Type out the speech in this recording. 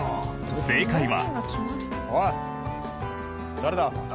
正解は。